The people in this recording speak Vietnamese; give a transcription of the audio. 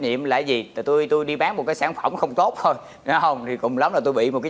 nhiệm lại gì tại tôi tôi đi bán một cái sản phẩm không tốt thôi nó không thì cùng lắm là tôi bị một cái